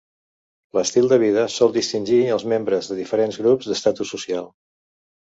L'estil de vida sol distingir als membres de diferents grups d'estatus socials.